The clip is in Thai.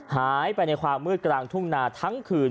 หายไปในความมืดกลางทุ่งนาทั้งคืน